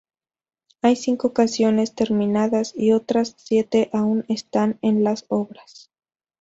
Hay cinco canciones terminadas y otras siete aún están en las obras.